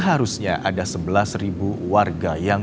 pada clothesnya pemotong pelatihan yang danyanya